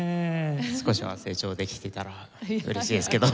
少しは成長できてたら嬉しいですけど。